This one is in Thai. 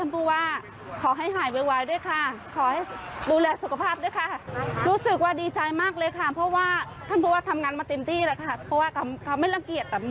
บอกว่าดีใจมากค่ะ